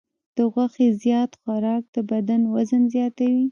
د غوښې زیات خوراک د بدن وزن زیاتوي.